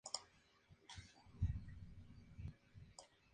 Se despidió con "¡Quiero besarlo Señor!